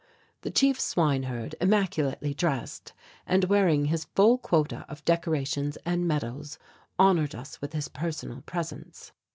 The Chief Swineherd, immaculately dressed and wearing his full quota of decorations and medals, honoured us with his personal presence.